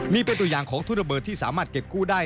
นี่เป็นตัวอย่างของทุนระเบิดที่สามารถเก็บกู้ได้